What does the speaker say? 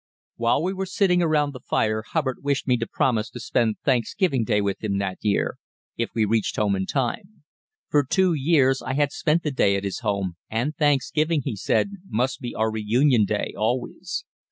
While we were sitting around the fire Hubbard wished me to promise to spend Thanksgiving Day with him that year if we reached home in time. For two years I had spent the day at his home, and Thanksgiving, he said, must be our reunion day always.